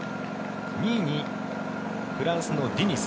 ２位にフランスのディニズ。